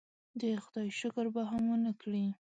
د خدای شکر به هم ونه کړي.